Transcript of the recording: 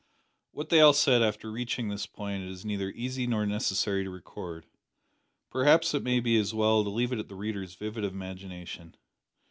What they all said after reaching this point it is neither easy nor necessary to record. Perhaps it may be as well to leave it to the reader's vivid imagination.